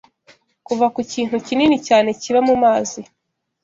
kuva ku kintu kinini cyane kiba mu mazi